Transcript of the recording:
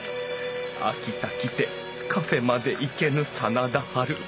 「秋田来てカフェまで行けぬ真田ハル」。